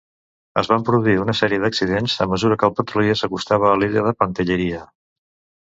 Es van produir una sèrie d'accidents a mesura que el petrolier s'acostava a l'illa de Pantelleria.